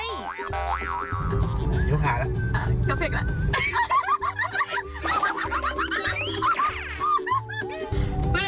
นิ้วหาแล้ว